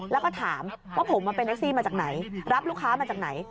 แล้วก็ถามว่าผมมาเป็นแท็กซี่มาจากไหนรับลูกค้ามาจากไหน